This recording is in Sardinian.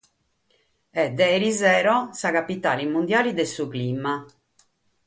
E dae eris sa capitale mundiale de su clima.